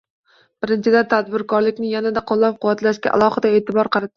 Birinchidan, tadbirkorlikni yanada qo‘llab- quvvatlashga alohida e’tibor qaratamiz.